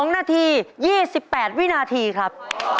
๒นาที๒๘วินาทีครับ